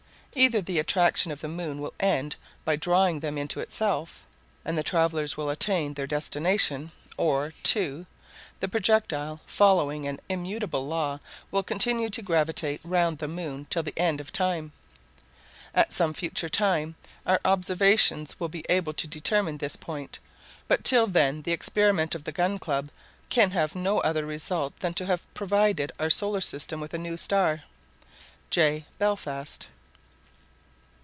Either the attraction of the moon will end by drawing them into itself, and the travelers will attain their destination; or, 2. The projectile, following an immutable law, will continue to gravitate round the moon till the end of time. At some future time, our observations will be able to determine this point, but till then the experiment of the Gun Club can have no other result than to have provided our solar system with a new star. J. BELFAST.